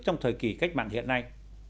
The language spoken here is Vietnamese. trong thời kỳ cách mạng hiện nay